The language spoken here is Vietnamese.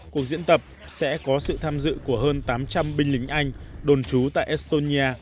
cuộc diễn tập sẽ có sự tham dự của hơn tám trăm linh binh lính anh đồn trú tại estonia